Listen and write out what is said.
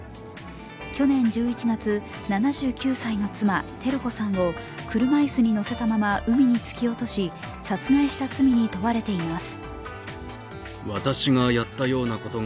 去年１１月、７９歳の妻・照子さんを車椅子に乗せたまま海に突き落とし殺害した罪に問われています。